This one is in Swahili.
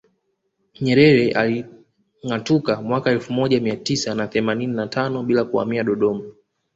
Nyerere alingatuka mwaka elfu moja mia tisa na themanini na tano bila kuhamia Dodoma